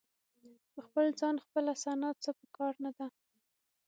په خپل ځان خپله ثنا څه په کار نه ده.